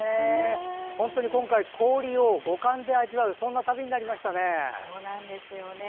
本当に今回、氷を五感で味わうそんな旅になりましたね。